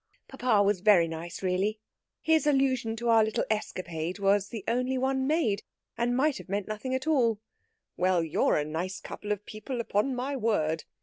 "Papa was very nice, really. His allusion to our little escapade was the only one made, and might have meant nothing at all. 'Well, you're a nice couple of people, upon my word!'